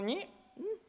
うん。